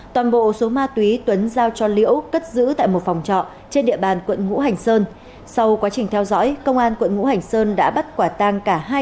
toàn bộ số ma túy tuấn giao cho liễu cất giữ tại một phòng khám